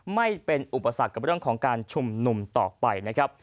ไม่เป็นอุปสรรคกับเรื่องของการชุมนุมต่อไปนะครับ